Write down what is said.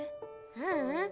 ううん。